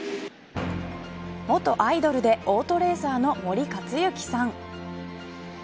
元アイドルでオートレーサーの森且行さん。